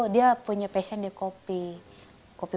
dia punya passion di kopi kopi